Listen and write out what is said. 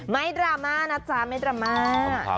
ดราม่านะจ๊ะไม่ดราม่า